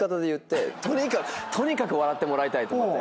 とにかく笑ってもらいたいと思って。